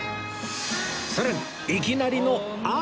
さらにいきなりの雨